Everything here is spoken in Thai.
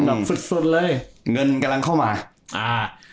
แบบสุดสุดเลยเงินกำลังเข้ามาอ่า